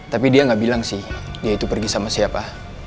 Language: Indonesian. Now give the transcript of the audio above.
tapi dia nggak bilang sih dia itu pergi sama siapa